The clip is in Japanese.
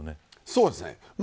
そうですね。